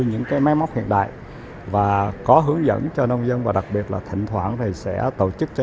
những cái máy móc hiện đại và có hướng dẫn cho nông dân và đặc biệt là thỉnh thoảng thì sẽ tổ chức cho